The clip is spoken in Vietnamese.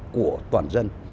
của toàn dân